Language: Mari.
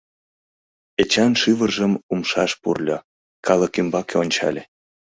Эчан шӱвыржым умшаш пурльо, калык ӱмбаке ончале.